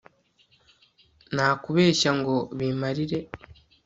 nakubeshya ngo bimarire